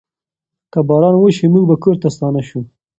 که باران وشي، موږ به کور ته ستانه شو.